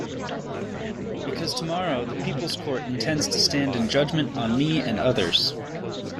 Because tomorrow the People's Court intends to stand in judgment on me and others.